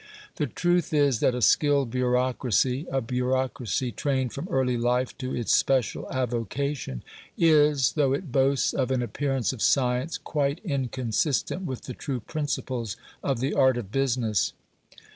The truth is, that a skilled bureaucracy a bureaucracy trained from early life to its special avocation is, though it boasts of an appearance of science, quite inconsistent with the true principles of the art of business.